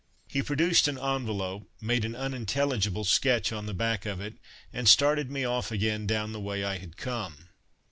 He produced an envelope, made an unintelligible sketch on the back of it, and started me off again down the way I had come.